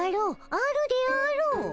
あるであろう。